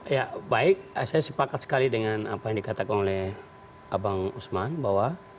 ya baik saya sepakat sekali dengan apa yang dikatakan oleh abang usman bahwa